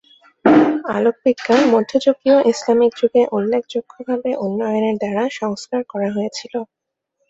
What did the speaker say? আলোকবিজ্ঞান মধ্যযুগীয় ইসলামিক যুগে উল্লেখযোগ্যভাবে উন্নয়নের দ্বারা সংস্কার করা হয়েছিল।